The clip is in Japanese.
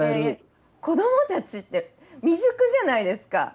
子どもたちって未熟じゃないですか。